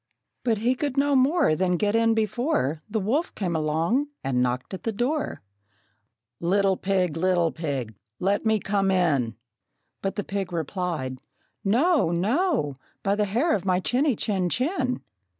But he could no more than get in before The wolf came along and knocked at the door: "Little pig, little pig, let me come in!" But the pig replied, "No, no, by the hair of my chinny, chin, chin!"